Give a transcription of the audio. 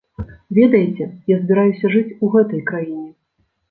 Ведаеце, я збіраюся жыць у гэтай краіне.